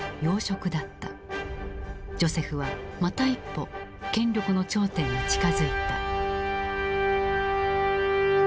ジョセフはまた一歩権力の頂点に近づいた。